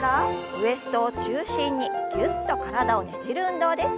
ウエストを中心にぎゅっと体をねじる運動です。